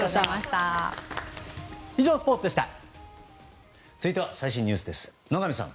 以上、スポーツでした。